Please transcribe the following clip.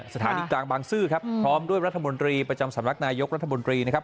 สถานีกลางบางซื่อครับพร้อมด้วยรัฐมนตรีประจำสำนักนายกรัฐมนตรีนะครับ